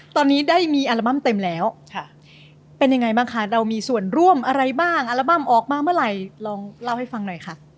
ตอนนี้ได้มีอัลบั้มเต็มแล้วเป็นยังไงบ้างคะเรามีส่วนร่วมอะไรบ้างอัลบั้มออกมาเมื่อไหร่ลองเล่าให้ฟังหน่อยค่ะ